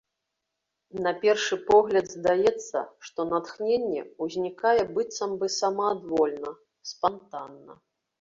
На першы погляд здаецца, што натхненне ўзнікае быццам бы самаадвольна, спантанна.